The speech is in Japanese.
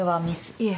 いえ。